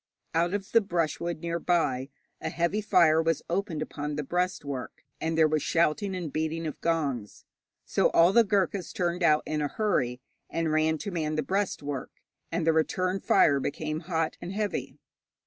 Out of the brushwood near by a heavy fire was opened upon the breastwork, and there was shouting and beating of gongs. So all the Ghurkas turned out in a hurry, and ran to man the breastwork, and the return fire became hot and heavy.